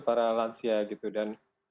para lansia dan